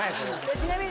ちなみに。